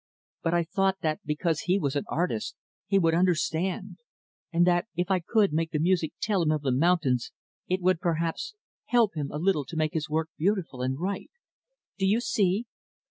But I thought that because he was an artist he would understand; and that if I could make the music tell him of the mountains it would, perhaps, help him a little to make his work beautiful and right do you see?"